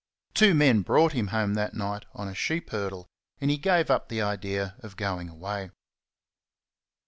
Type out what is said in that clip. Two men brought him home that night on a sheep hurdle, and he gave up the idea of going away.